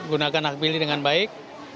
gunakan hak pilih dengan baik